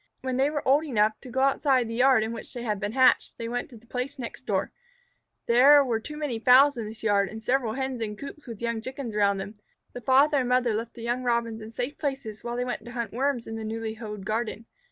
When they were old enough to go outside the yard in which they had been hatched, they went to the place next door. There were many fowls on this place, and several Hens in coops with young Chickens around them. The father and mother left the young Robins in safe places while they went to hunt Worms in the newly hoed garden.